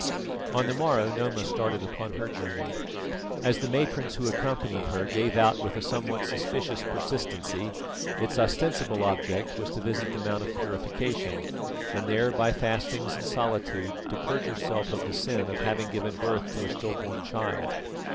On the morrow Noma started upon her journey. As the matrons who accompanied her gave out with a somewhat suspicious persistency, its ostensible object was to visit the Mount of Purification, and there by fastings and solitude to purge herself of the sin of having given birth to a stillborn child.